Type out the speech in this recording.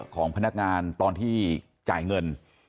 ของพนักงานตอนที่จ่ายเงิน